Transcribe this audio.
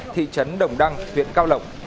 thị trấn đồng đăng viện cao lộng